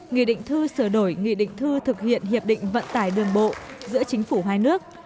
nghị định thư sửa đổi nghị định thư thực hiện hiệp định vận tải đường bộ giữa chính phủ hai nước